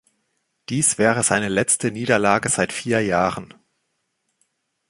Dies wäre seine letzte Niederlage seit vier Jahren.